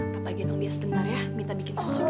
papa gendong dia sebentar ya minta bikin susu dulu